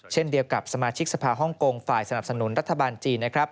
เช่นเดียวกับสมาชิกสภาฮ่องกงฝ่ายสนับสนุนรัฐบาลจีนนะครับ